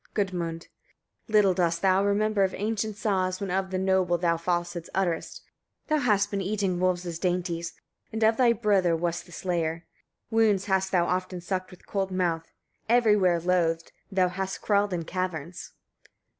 Gudmund. 36. Little dost thou remember of ancient saws, when of the noble thou falsehoods utterest. Thou hast been eating wolves' dainties, and of thy brother wast the slayer; wounds hast thou often sucked with cold mouth; every where loathed, thou hast crawled in caverns.